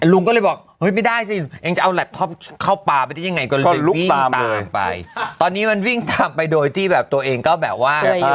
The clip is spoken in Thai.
ลุงก็เลยบอกเฮ้ยไม่ได้สิเองจะเอาก็เลยลุกตามเลยตอนนี้มันวิ่งตามไปโดยที่แบบตัวเองก็แบบว่า